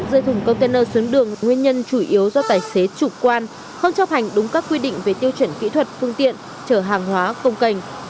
rơi thùng container xuống đường nguyên nhân chủ yếu do tài xế chủ quan không chấp hành đúng các quy định về tiêu chuẩn kỹ thuật phương tiện chở hàng hóa công cành